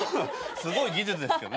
すごい技術ですけど。